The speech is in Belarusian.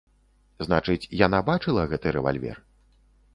Значыць, яна бачыла гэты рэвальвер?